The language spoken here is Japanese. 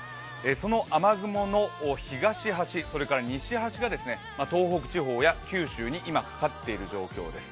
その雨雲の東端、西端が東北地方や九州に今かかっている状況です。